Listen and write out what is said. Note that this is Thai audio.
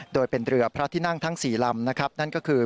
โดยเป็นเรือพระที่นั่งทั้ง๔ลำนะครับนั่นก็คือ